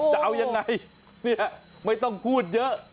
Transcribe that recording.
จะเอายังไงไม่ต้องพูดเยอะ